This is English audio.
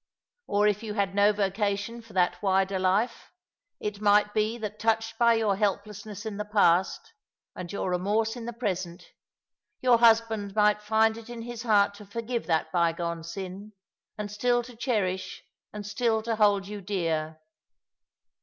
Or if you had no vocation for that wider life, it might be that touched by your helplessness in the past, and your remorse in the present, your husband might find it in his heart to forgive that bygone sin, and still to cherish, and still to hold you dear."